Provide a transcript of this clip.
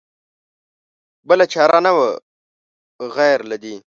بله چاره نه وه غیر له دې.